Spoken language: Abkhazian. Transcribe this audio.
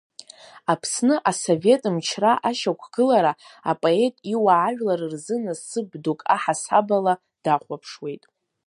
Аԥсны Асовет мчра ашьақәгылара апоет иуаажәлар рзы насыԥ дук аҳасабала дахәаԥшуеит.